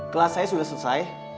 kelas saya sudah selesai